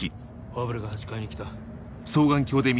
ファブルが８階に来た。